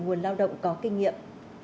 nguồn lao động có kinh nghiệm